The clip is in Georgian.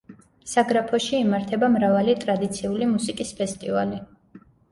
საგრაფოში იმართება მრავალი ტრადიციული მუსიკის ფესტივალი.